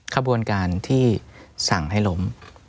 ขบวนการที่สั่งให้ล้ม